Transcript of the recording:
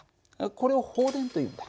これを放電というんだ。